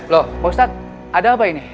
loh ustadz ada apa ini